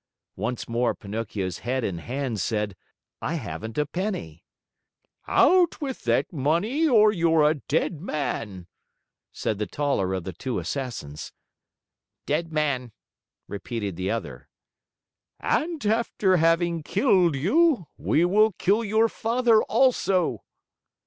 Once more, Pinocchio's head and hands said, "I haven't a penny." "Out with that money or you're a dead man," said the taller of the two Assassins. "Dead man," repeated the other. "And after having killed you, we will kill your father also."